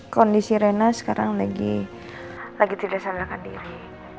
kondisi rena sekarang lagi tidak sadarkan diri